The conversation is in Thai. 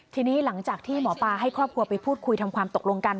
ทีนี้หลังจากที่หมอปลาให้ครอบครัวไปพูดคุยทำความตกลงกัน